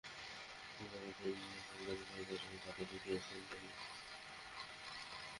খুব অল্প সময়ে নিজের নাম জনপ্রিয় তারকার খাতায় লিখিয়ে নিয়েছেন তিনি।